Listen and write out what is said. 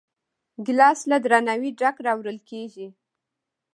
ګیلاس له درناوي ډک راوړل کېږي.